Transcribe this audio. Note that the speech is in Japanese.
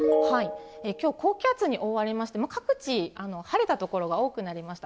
きょう高気圧に覆われまして、各地、晴れた所が多くなりました。